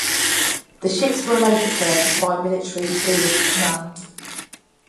The ships were later purchased by Military Sealift Command.